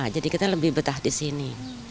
jadi kita lebih betah di sini